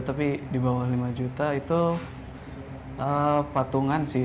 tapi di bawah lima juta itu patungan sih